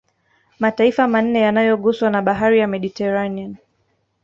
Mataifa manne yanayoguswa na bahari ya Mediterania